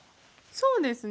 そうですね。